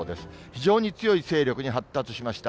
非常に強い勢力に発達しました。